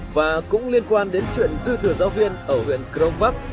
và cũng liên quan đến chuyện dư thừa giáo viên ở huyện crong park